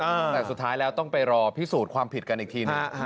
แต่สุดท้ายแล้วต้องไปรอพิสูจน์ความผิดกันอีกทีหนึ่ง